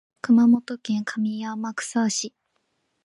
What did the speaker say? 熊本県上天草市